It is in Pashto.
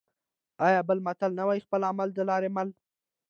آیا بل متل نه وايي: خپل عمل د لارې مل؟